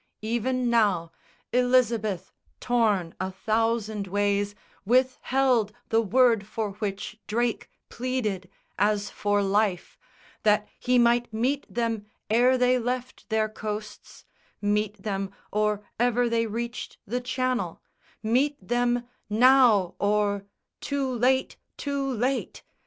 Even now, Elizabeth, torn a thousand ways, withheld The word for which Drake pleaded as for life, That he might meet them ere they left their coasts, Meet them or ever they reached the Channel, meet them Now, or "Too late! Too late!"